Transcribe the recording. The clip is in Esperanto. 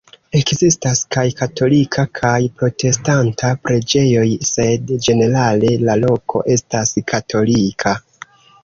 Ekzistas kaj katolika kaj protestanta preĝejoj, sed ĝenerale la loko estas katolika.